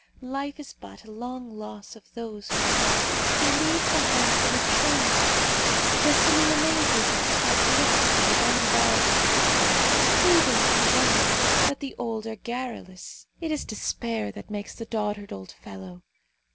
Life is but a long loss of those whom we love. They leave behind them a train of sorrows. Destiny amazes us by a prolixity of unbearable suffering; who then can wonder that the old are garrulous? It is despair that makes the dotard, old fellow!